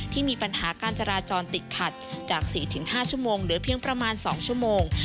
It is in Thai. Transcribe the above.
ที่มีปัญหาการจราจรติดขัดจาก๔๕ชั่วโมงเหลือเพียงประมาณ๒ชั่วโมง